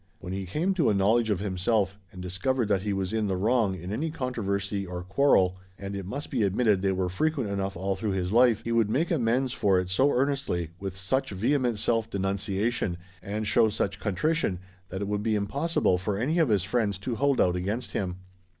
When he came to a knowledge of himself and discovered that he was in the wrong in any controversy or quarrel, and it must be admitted they were frequent enough all through his life, he would make amends for it so earnestly, with such vehement self denunciation, and show such contrition, that it would be impossible for any of his friends to hold out against him.